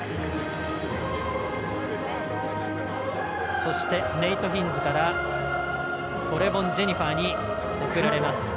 そしてネイト・ヒンズからトレボン・ジェニファーに贈られます。